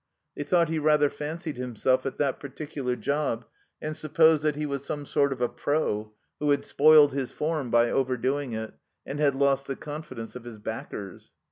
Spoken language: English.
They thought he rather fancied himself at that particular job, and supposed that he was some sort of a '*pro" who had spoiled his "form" by over doing it, and had lost the confidence of his backers.